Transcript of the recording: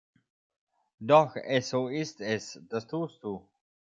Doch, es so ist es, das tust du!